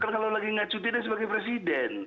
kalau lagi nggak cuti deh sebagai presiden